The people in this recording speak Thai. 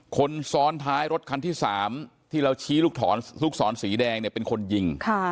คนซ้อนท้ายรถคันที่สามที่เราชี้ลูกถอนลูกซ้อนสีแดงเนี่ยเป็นคนยิงค่ะ